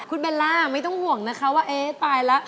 คุณเบลล่าไม่ต้องห่วงนะคะว่าเอ๊ะตายแล้ว